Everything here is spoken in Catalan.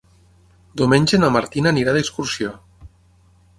Diumenge na Martina anirà d'excursió.